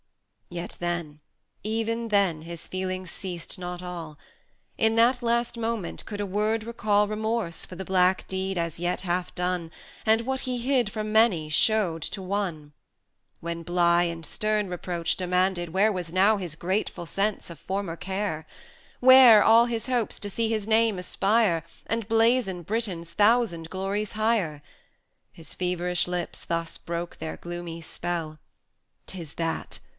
Yet then, even then, his feelings ceased not all: In that last moment could a word recall Remorse for the black deed as yet half done, And what he hid from many showed to one: When Bligh in stern reproach demanded where Was now his grateful sense of former care? 160 Where all his hopes to see his name aspire, And blazon Britain's thousand glories higher? His feverish lips thus broke their gloomy spell, "Tis that!